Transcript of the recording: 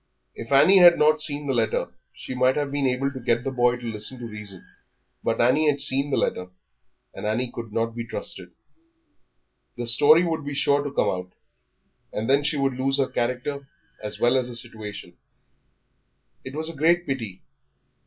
If Annie had not seen the letter she might have been able to get the boy to listen to reason; but Annie had seen the letter, and Annie could not be trusted. The story would be sure to come out, and then she would lose her character as well as her situation. It was a great pity.